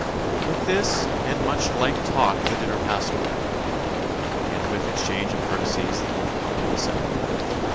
"With this and much like talk the dinner passed away," and with exchange of courtesies the little company separated.